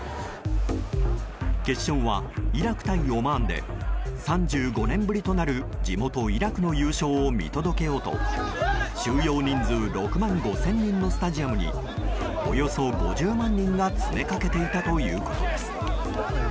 決勝はイラク対オマーンで３５年ぶりとなる地元イラクの優勝を見届けようと収容人数６万５０００人のスタジアムにおよそ５０万人が詰めかけていたということです。